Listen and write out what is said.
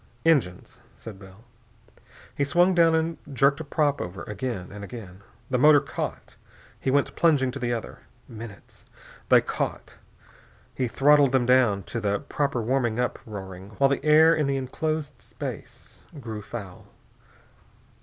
"Engines," said Bell. He swung down and jerked a prop over. Again, and again.... The motor caught. He went plunging to the other. Minutes.... They caught. He throttled them down to the proper warming up roaring, while the air in the enclosed space grew foul.